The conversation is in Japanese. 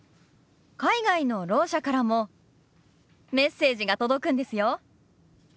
海外のろう者からもメッセージが届くんですよ。